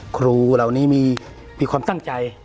ครูเหล่านี้มีความตั้งใจ